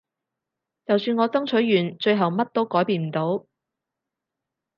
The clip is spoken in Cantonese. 就算我爭取完最後乜都改變唔到